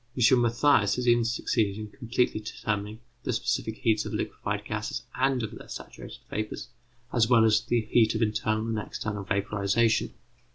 M. Mathias has even succeeded in completely determining the specific heats of liquefied gases and of their saturated vapours, as well as the heat of internal and external vaporization.